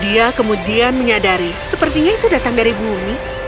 dia kemudian menyadari sepertinya itu datang dari bumi